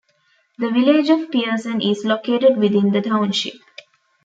The Village of Pierson is located within the township.